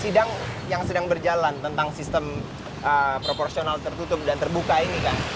sidang yang sedang berjalan tentang sistem proporsional tertutup dan terbuka ini kan